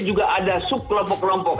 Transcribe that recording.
juga ada sub kelompok kelompok